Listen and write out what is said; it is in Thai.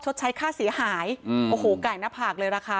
ชดใช้ค่าเสียหายโอ้โหไก่หน้าผากเลยราคา